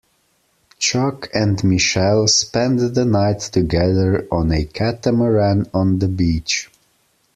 Chuck and Michelle spend the night together on a catamaran on the beach.